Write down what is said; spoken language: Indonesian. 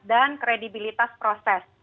dan kredibilitas proses